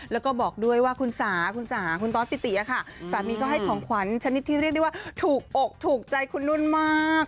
แล้วก็บอกด้วยว่าคุณสาคุณสาคุณตอสปิติค่ะสามีก็ให้ของขวัญชนิดที่เรียกได้ว่าถูกอกถูกใจคุณนุ่นมาก